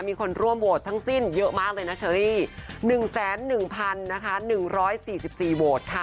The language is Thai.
มีคนร่วมโหวตทั้งสิ้นเยอะมากเลยนะเชอรี่๑๑นะคะ๑๔๔โหวตค่ะ